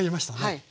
はい。